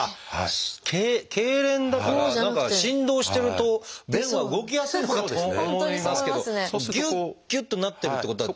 けいれんだから何か振動してると便は動きやすいのかと思いますけどぎゅっぎゅっとなってるってことは。